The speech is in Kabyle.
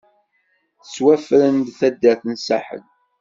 Tettwafren-d taddart n Saḥel.